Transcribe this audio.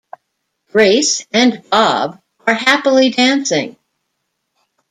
Grace and Bob are happily dancing.